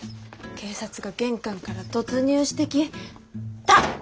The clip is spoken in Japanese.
警察が玄関から突入してきた！